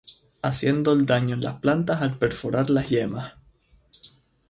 Haciendo el daño en las plantas al perforar las yemas.